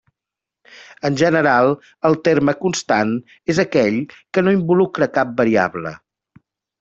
En general el terme constant és aquell que no involucra cap variable.